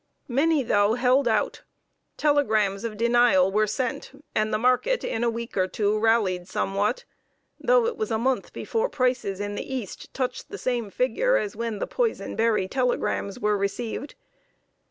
Many, though, held out. Telegrams of denial were sent, and the market in a week or two rallied somewhat, though it was a month before prices in the East touched the same figure as when the "poison berry" telegrams were received.